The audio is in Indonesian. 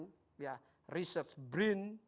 mengajak sektor kementerian pendidikan dan kebudayaan